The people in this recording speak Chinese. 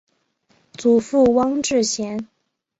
祖父汪志贤。